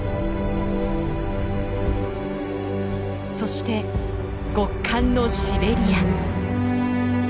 そして極寒のシベリア。